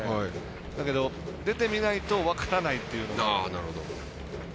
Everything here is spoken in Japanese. だけど、出てみないと分からないというのが。